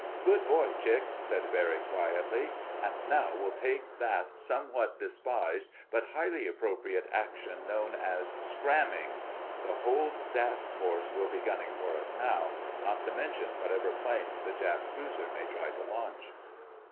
"Good boy, Chick!" said Barry quietly. "And now we'll take that somewhat despised but highly appropriate action known as scramming. The whole task force will be gunning for us now—not to mention whatever planes the Jap cruiser may try to launch."